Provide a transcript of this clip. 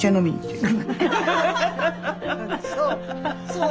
そう。